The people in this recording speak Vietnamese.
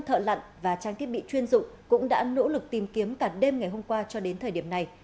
một mươi năm thợ lặn và trang thiết bị chuyên dụng cũng đã nỗ lực tìm kiếm cả đêm ngày hôm qua cho đến thời điểm này